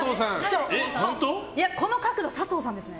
この角度、佐藤さんですね！